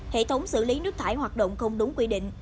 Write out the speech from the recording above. hệ thống xử lý nước thải hoạt động không đúng quy định